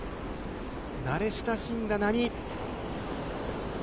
慣れ親しんだ波。